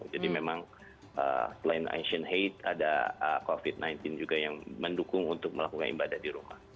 jadi memang selain ancient hate ada covid sembilan belas juga yang mendukung untuk melakukan ibadah di rumah